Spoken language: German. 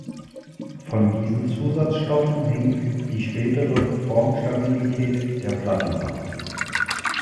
Von diesen Zusatzstoffen hing die spätere Formstabilität der Platten ab.